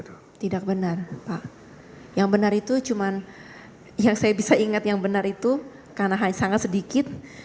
tidak benar pak yang benar itu cuma yang saya bisa ingat yang benar itu karena sangat sedikit